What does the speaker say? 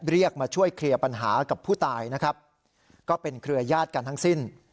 เรียกมาช่วยเคลียร์ปัญหากับผู้ตายนะครับก็เป็นเครือญาติกันทั้งสิ้น